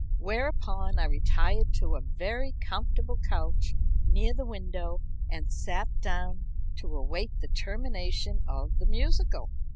Whereupon I retired to a very comfortable couch near the window and sat down to await the termination of the musical.